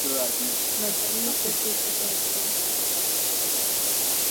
Unajua nini kuhusu uchumi wa blue